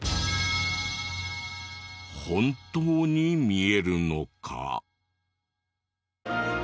本当に見えるのか？